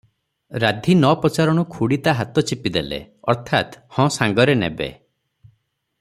ରାଧୀ ନ ପଚାରୁଣୁ ଖୁଡ଼ି ତା ହାତ ଚିପିଦେଲେ - ଅର୍ଥାତ, ହଁ ସାଙ୍ଗରେ ନେବେ ।